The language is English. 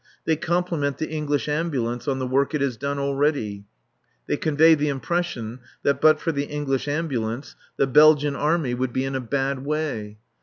They compliment the English Ambulance on the work it has done already. They convey the impression that but for the English Ambulance the Belgian Army would be in a bad way.